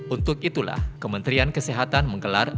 untuk itulah kementerian kesehatan menggelar